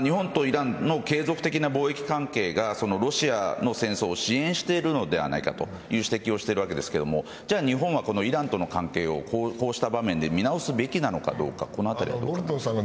継続的な貿易関係がロシアとの戦争を支援しているのではないかという指摘をしているわけですけど日本はイランとの関係をこうした場面で見直すべきなのかどうか。